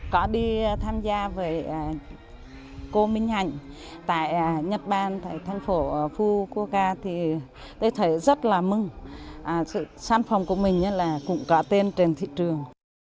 có đi tham gia với cô minh hạnh tại nhật ban thành phố phu qua ca tôi thấy rất là mừng sản phẩm của mình cũng có tên trên thị trường